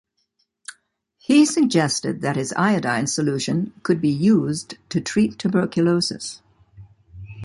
He suggested that his iodine solution could be used to treat tuberculosis.